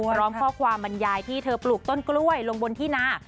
พร้อมข้อความบรรยายที่เธอปลูกต้นกล้วยลงบนที่นา